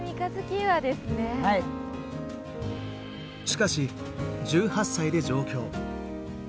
しかし１８歳で上京。